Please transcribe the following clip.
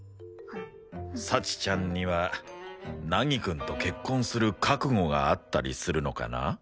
幸ちゃんには凪くんと結婚する覚悟があったりするのかな？